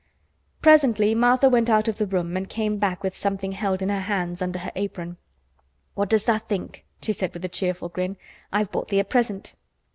Presently Martha went out of the room and came back with something held in her hands under her apron. "What does tha' think," she said, with a cheerful grin. "I've brought thee a present."